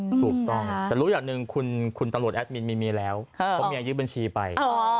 ถูกต้องแต่รู้อย่างหนึ่งคุณตำรวจแอดมินมีเมียแล้วเขามีอายืดบัญชีไป